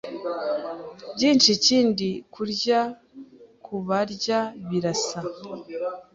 Byinshi ikindi Kurya Kubarya birasa